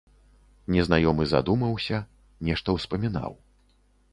Незнаёмы задумаўся, нешта ўспамінаў.